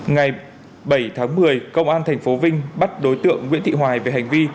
ngày bảy tháng một mươi công an tp vinh bắt đối tượng nguyễn thị hoài về hành vi